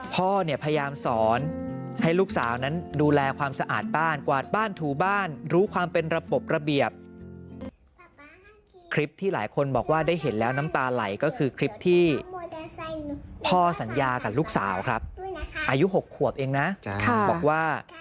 พ่อเนี่ยพยายามสอนให้ลูกสาวนั้นดูแลความสะอาดบ้านกวาดบ้านถูบ้านรู้ความเป็นระบบระเบียบคลิปที่หลายคนบอกว่าได้เห็นแล้วน้ำตาไหลก็คือคลิปที่พ่อสัญญากับลูกสาวครับอายุ๖ขวบเองนะบอกว่า